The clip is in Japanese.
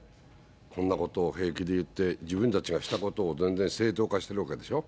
こんなことを平気で言って、自分たちがしたことを全然正当化しているわけでしょ。